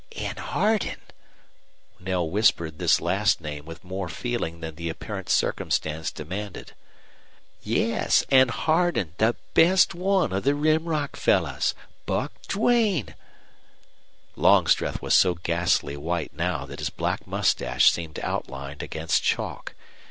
"An' Hardin." Knell whispered this last name with more feeling than the apparent circumstance demanded. "Yes; and Hardin, the best one of the Rim Rock fellows Buck Duane!" Longstreth was so ghastly white now that his black mustache seemed outlined against chalk.